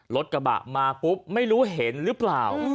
รถกระบะมาปุ๊บไม่รู้เห็นหรือเปล่า